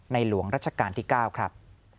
ในหลวงราชกาลที่เก้าครับ